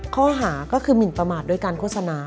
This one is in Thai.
ข้อหาก็คือหมินประมาทโดยการโฆษณา